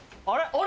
あれ？